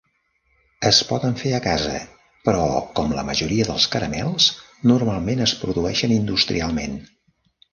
Es poden fer a casa, però com la majoria dels caramels, normalment es produeixen industrialment.